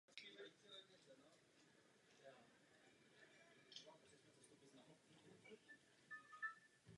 Od konce starověku bylo město součástí Byzantské říše.